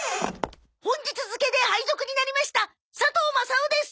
本日付で配属になりました佐藤マサオです。